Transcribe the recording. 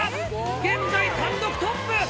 現在単独トップ！